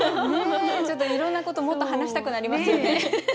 ちょっといろんなこともっと話したくなりますよね。